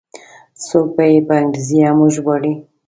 څوک به یې په انګریزي هم وژباړي.